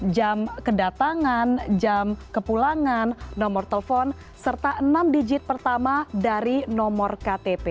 jam kedatangan jam kepulangan nomor telepon serta enam digit pertama dari nomor ktp